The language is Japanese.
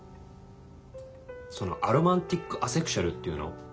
そのアロマンティック・アセクシュアルっていうの？